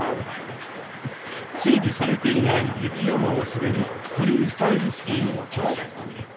整備されていない雪山を滑るフリースタイルスキーにも挑戦。